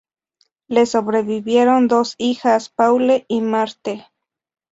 Le sobrevivieron dos hijas, Paule y Marthe.